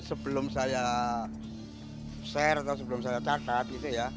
sebelum saya share atau sebelum saya catat